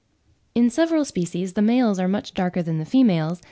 In several species the males are much darker than the females (20.